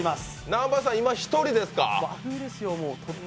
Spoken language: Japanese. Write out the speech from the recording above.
南波さん、今１人ですか？